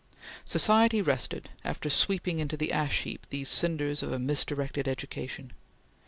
Society rested, after sweeping into the ash heap these cinders of a misdirected education.